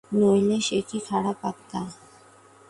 নইলে সে কি খারাপ আত্মা?